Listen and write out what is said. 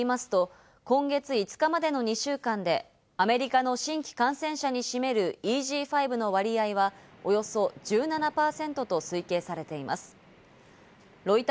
アメリカＣＤＣ＝疾病対策センターによりますと今月５日までの２週間でアメリカの新規感染者に占めるＥＧ．５の割合はおよそ１７％と推計されています。